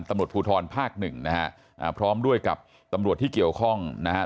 ตำรวจภูทรภาคหนึ่งนะฮะพร้อมด้วยกับตำรวจที่เกี่ยวข้องนะครับ